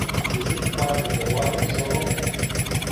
It is part of the ward of Soho.